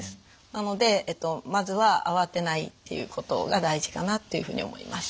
なのでまずはあわてないっていうことが大事かなっていうふうに思います。